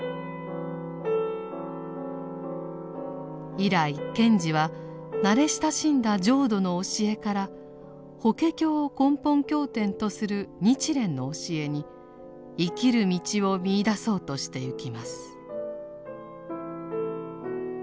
以来賢治は慣れ親しんだ浄土の教えから法華経を根本経典とする日蓮の教えに生きる道を見いだそうとしてゆきます。